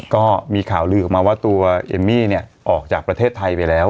ก็มีข่าวลือออกมาว่าตัวเอมมี่เนี่ยออกจากประเทศไทยไปแล้ว